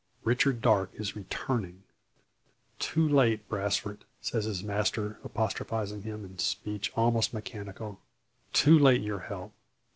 Richard Darke is returning! "Too late, Brasfort!" says his master, apostrophising him in speech almost mechanical, "Too late your help.